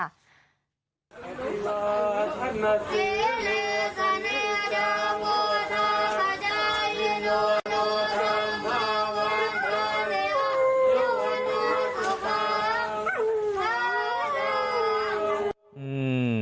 อืม